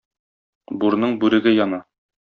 Бурның бүреге яна.